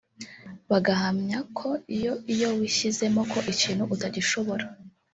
bagahamyako iyo iyo wishyizemo ko ikintu utagishobora